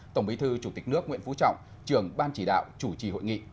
tổng bí thư chủ tịch nước nguyễn phú trọng trưởng ban chỉ đạo chủ trì hội nghị